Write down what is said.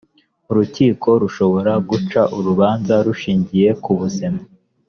urukiko rushobora guca urubanza rushingiye kubuzima